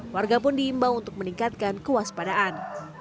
warga pun diimbau untuk meningkatkan kewaspadaan